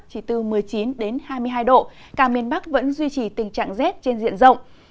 chỉ từ một mươi chín hai mươi hai độ cả miền bắc vẫn duy trì tình trạng rét trên diện rộng